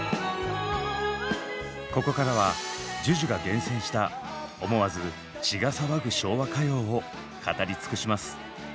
ここからはＪＵＪＵが厳選した思わず血が騒ぐ昭和歌謡を語り尽くします。